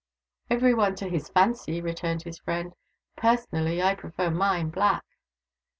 " Every one to his fancy," returned his friend. " Personally I prefer mine black."